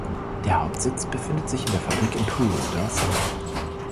Der Hauptsitz befindet sich in der Fabrik in Poole, Dorset.